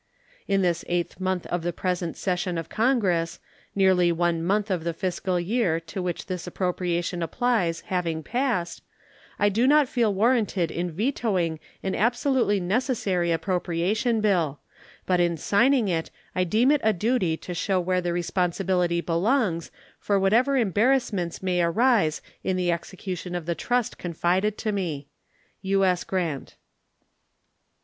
In this eighth month of the present session of Congress nearly one month of the fiscal year to which this appropriation applies having passed I do not feel warranted in vetoing an absolutely necessary appropriation bill; but in signing it I deem it a duty to show where the responsibility belongs for whatever embarrassments may arise in the execution of the trust confided to me. U.S. GRANT.